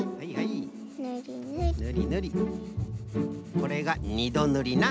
これが２どぬりな。